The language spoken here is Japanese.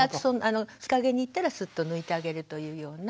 日陰に行ったらスッと抜いてあげるというような。